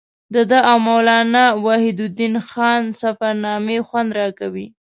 د ده او مولانا وحیدالدین خان سفرنامې خوند راکوي.